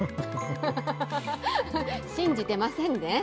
信じてませんね？